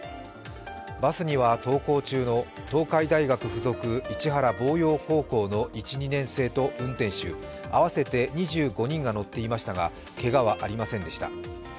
バスには登校中の東海大学付属市原望洋高校の１２年生と運転手、合わせて２５人が乗っていましたがけがはありませんでした。